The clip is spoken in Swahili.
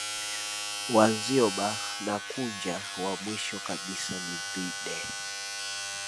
Wazyoba na Kunja wa mwisho kabisa ni vide